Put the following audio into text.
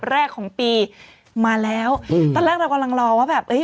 แรกของปีมาแล้วอืมตอนแรกเรากำลังรอว่าแบบเอ้ย